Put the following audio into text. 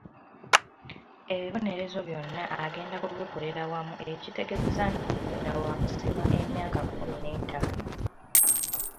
Ebibonerezo byonna agenda kubikolera wamu ekitegeeza nti Kazinda waakusibwa emyaka kumi n'etaano.